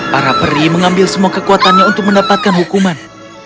para peri mengambil semua kekuatannya untuk mendapatkan hukuman